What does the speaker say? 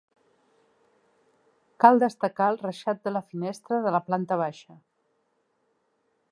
Cal destacar el reixat de la finestra de la planta baixa.